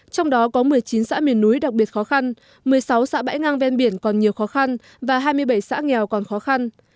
trong đó có một mươi chín xã miền núi đặc biệt khó khăn một mươi sáu xã bãi ngang ven biển còn nhiều khó khăn và hai mươi bảy xã nghèo còn khó khăn